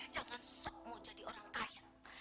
jangan sok mau jadi orang karyat